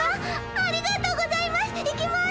ありがとうございます。